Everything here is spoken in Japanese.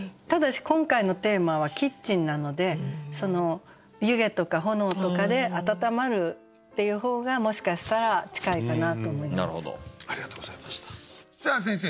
ただし今回のテーマは「キッチン」なので湯気とか炎とかで温まるっていう方がもしかしたら近いかなと思います。